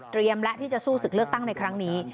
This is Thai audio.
และที่จะสู้ศึกเลือกตั้งในครั้งนี้